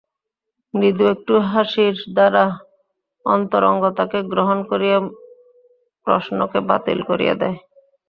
মৃদু একটু হাসির দ্বারা অন্তরঙ্গতাকে গ্রহণ করিয়া প্রশ্নকে বাতিল করিয়া দেয়।